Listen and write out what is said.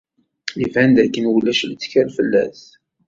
Iban dakken ulac lettkal fell-as!